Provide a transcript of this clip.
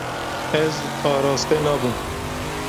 Ez araste nabim.